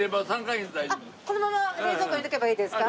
このまま冷蔵庫入れておけばいいですか？